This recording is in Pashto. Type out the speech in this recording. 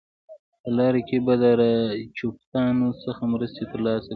په لاره کې به د راجپوتانو څخه مرستې ترلاسه کړي.